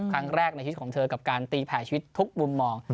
ครั้งแรกในชีวิตของเธอกับการตีแผ่ชีวิตทุกมุมมอง